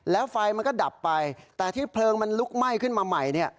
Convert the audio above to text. แล้วไฟมันก็ดับไปแต่ที่เพลิงมันลุกไหม้ขึ้นมาใหม่